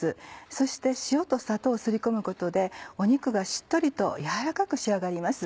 そして塩と砂糖をすり込むことで肉がしっとりとやわらかく仕上がります。